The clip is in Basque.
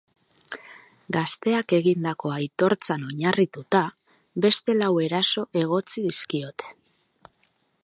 Gazteak egindako aitortzan oinarrituta, beste lau eraso egotzi dizkiote.